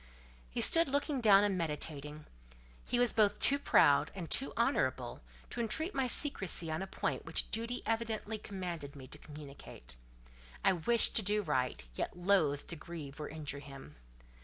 He stood looking down and meditating. He was both too proud and too honourable to entreat my secresy on a point which duty evidently commanded me to communicate. I wished to do right, yet loathed to grieve or injure him.